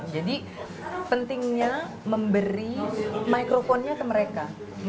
jadi pentingnya memberi microphone nya ke mereka